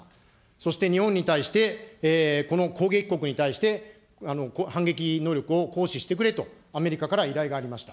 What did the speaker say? そして日本に対して、この攻撃国に対して、反撃能力を行使してくれと、アメリカから依頼がありました。